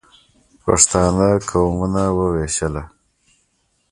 پښتانه قومونه ووېشله.